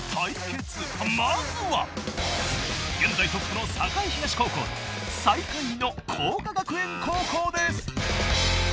まずは現在トップの栄東高校と最下位の晃華学園高校です。